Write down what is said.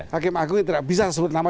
hakim agung yang tidak bisa sebut nama